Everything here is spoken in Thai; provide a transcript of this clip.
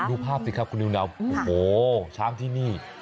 ดูภาพสิครับคุณนิวนาวโอ้โหช้างที่นี่